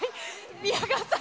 宮川さん、